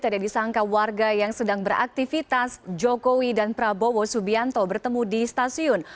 tidak disangka warga yang sedang beraktivitas jokowi dan prabowo subianto bertemu di stasiun